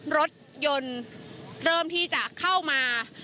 รถยนต์เริ่มที่จะเข้ามา